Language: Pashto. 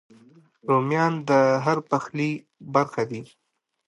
رومیان د هر پخلي برخه دي